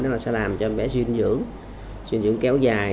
nó sẽ làm cho em bé suyên dưỡng suyên dưỡng kéo dài